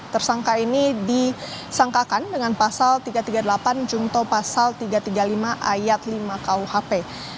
tersangka ini disangkakan dengan pasal tiga ratus tiga puluh delapan jungto pasal tiga ratus tiga puluh lima ayat lima kuhp